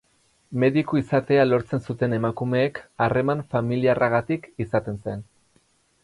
Mediku izatea lortzen zuten emakumeek harreman familiarragatik izaten zen.